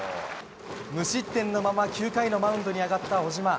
無失点のまま９回のマウンドに上がった小島。